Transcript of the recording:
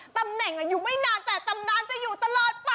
ตำแหน่งอายุไม่นานแต่ตำนานจะอยู่ตลอดไป